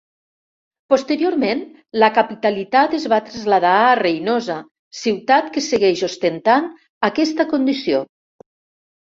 Posteriorment, la capitalitat es va traslladar a Reinosa, ciutat que segueix ostentant aquesta condició.